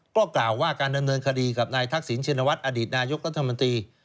ก็กล่าวว่าการดำเนินคดีกับนายทักษิณชินวัฒน์อดีตนายกรัฐมนตรี